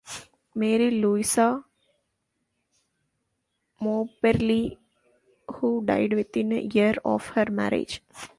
Mary Louisa Moberly, who died within a year of her marriage.